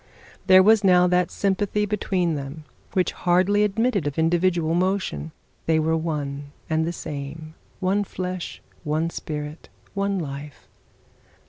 There was now that sympathy between them which hardly admitted of individual motion. They were one and the same, one flesh, one spirit, one life.